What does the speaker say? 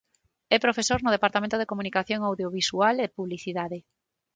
É profesor no Departamento de Comunicación Audiovisual e Publicidade.